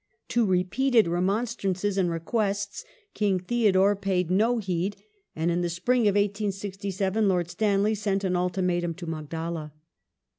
To repeated remon strances and requests King Theodore paid no heed, and in the spring of 1867 Lord Stanley sent an ultimatum to Magdala.